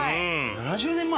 ７０年前？